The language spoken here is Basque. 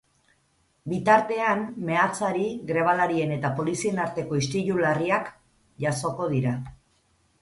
Bitartean, meatzari grebalarien eta polizien arteko istilu larriak jazoko dira.